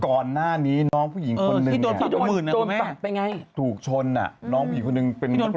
ก่อนหน้านี้น้องผู้หญิงคนนึง